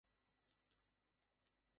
Antibiotic নেই যে ওকে খাওয়াবো।